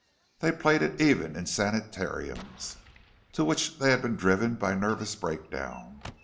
They played it even in sanitariums, to which they had been driven by nervous breakdown.